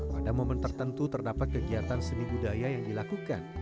pada momen tertentu terdapat kegiatan seni budaya yang dilakukan